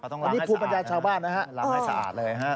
ต้องล้างให้สะอาดนะครับล้างให้สะอาดเลยครับพูดปัญญาชาวบ้านนะครับ